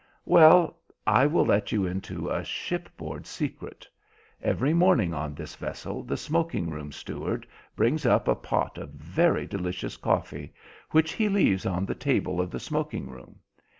"Well, I will let you into a shipboard secret. Every morning on this vessel the smoking room steward brings up a pot of very delicious coffee, which he leaves on the table of the smoking room.